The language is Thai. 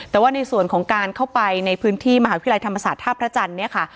แต่ว่าในส่วนของการเข้าไปในพื้นที่มหาวิทยาลัยธรรมศาสตร์ท่าพระจันทร์เนี่ยค่ะ